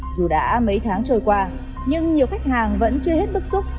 dù đã mấy tháng trôi qua nhưng nhiều khách hàng vẫn chưa hết bức xúc